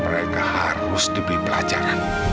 mereka harus lebih belajar